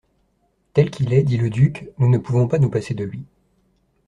«Tel qu'il est, dit le duc, nous ne pouvons pas nous passer de lui.